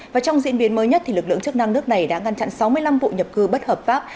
và trong diễn biến mới nhất lực lượng chức năng nước này đã ngăn chặn sáu mươi năm vụ nhập cư bất hợp pháp